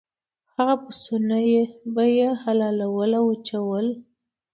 هغه پسونه به یې حلالول او وچول.